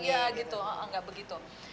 ini seperti ini